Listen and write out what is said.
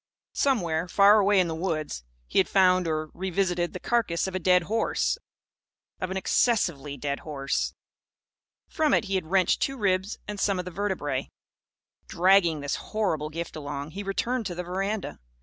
Somewhere, far away in the woods, he had found, or revisited, the carcase of a dead horse of an excessively dead horse. From it he had wrenched two ribs and some of the vertebræ. Dragging this horrible gift along, he returned to the veranda.